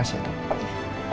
saya akan selesai